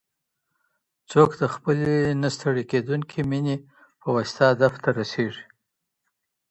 څوک د خپلي نه ستړي کیدونکي میني په واسطه هدف ته رسیږي؟